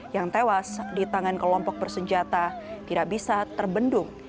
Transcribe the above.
yang tewas di tangan kelompok bersenjata tidak bisa terbendung